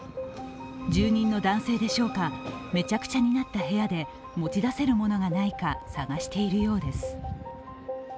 住人の男性でしょう、めちゃくちゃになった部屋で持ち出せるものがないか探しているようです。